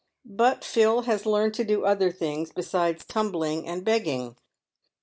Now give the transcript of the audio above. But Phil has learned to do other things besides tumbling and begging.